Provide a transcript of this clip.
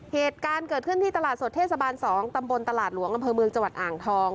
เหตุการณ์เกิดขึ้นที่ตลาดสดเทศบาล๒ตำบลตลาดหลวงอำเภอเมืองจังหวัดอ่างทอง